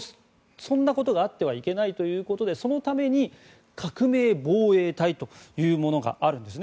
そんなことがあってはいけないということでそのために革命防衛隊というものがあるんですね。